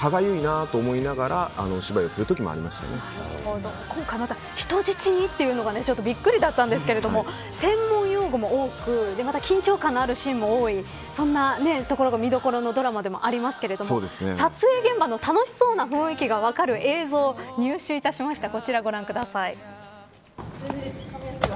だから結構、歯がゆいなと思いながらお芝居をするときも今回また人質にというのがちょっとびっくりだったんですけど専門用語も多くまた緊張感のあるシーンも多いそんなところが見どころなドラマでもありますけれども撮影現場の楽しそうな雰囲気が分かる映像を入手いたしました。